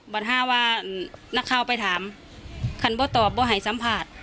ห้าว่านักข่าวไปถามคันบ่ตอบบ่ให้สัมภาษณ์